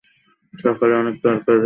সকালের অনেক তরকারি এ বেলা কাজে লাগিবে।